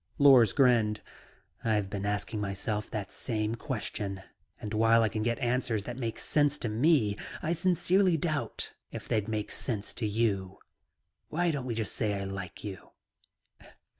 Lors grinned. "I've been asking myself that same question, and while I can get answers that make sense to me, I sincerely doubt if they'd make sense to you. "Why don't we just say I like you."